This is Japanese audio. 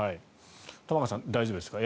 玉川さん、大丈夫ですか？